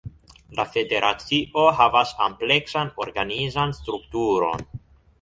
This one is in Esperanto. La federacio havas ampleksan organizan strukturon.